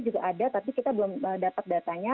juga ada tapi kita belum dapat datanya